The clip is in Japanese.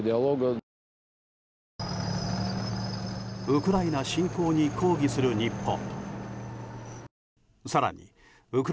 ウクライナ侵攻に抗議する日本。